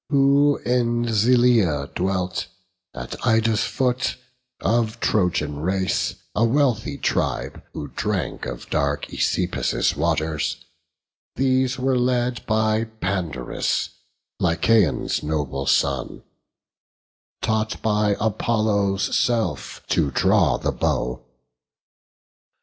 Who in Zeleia dwelt, at Ida's foot, Of Trojan race, a wealthy tribe, who drank Of dark Æsepus' waters, these were led By Pandarus, Lycaon's noble son, Taught by Apollo's self to draw the bow.